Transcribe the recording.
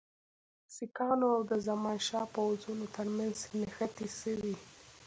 سیکهانو او د زمانشاه پوځونو ترمنځ نښتې سوي.